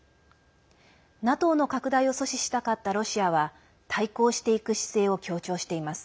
ＮＡＴＯの拡大を阻止したかったロシアは対抗していく姿勢を強調しています。